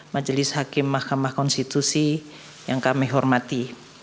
majelis hakim mahkamah konstitusi yang kami hormati